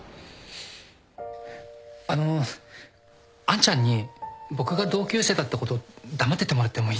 あの杏ちゃんに僕が同級生だってこと黙っててもらってもいいですか？